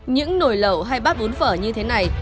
những nồi lẩu hay bát bún phở như thế này